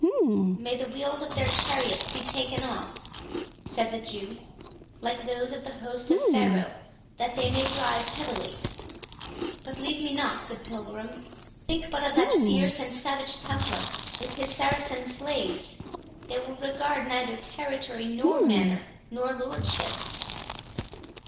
"May the wheels of their chariots be taken off," said the Jew, "like those of the host of Pharaoh, that they may drive heavily!—But leave me not, good Pilgrim—Think but of that fierce and savage Templar, with his Saracen slaves—they will regard neither territory, nor manor, nor lordship."